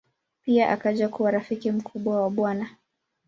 Pia akaja kuwa rafiki mkubwa wa Bw.